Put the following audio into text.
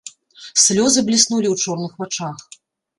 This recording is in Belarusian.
Слёзы бліснулі ў чорных вачах.